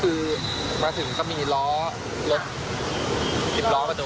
ก็คือก็มาถึงข้ามีล้อลด